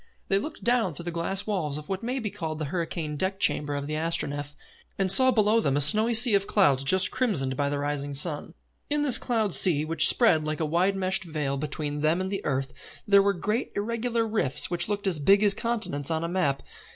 They looked down through the glass walls of what may be called the hurricane deck chamber of the Astronef, and saw below them a snowy sea of clouds just crimsoned by the rising sun. In this cloud sea, which spread like a wide meshed veil between them and the earth, there were great irregular rifts which looked as big as continents on a map.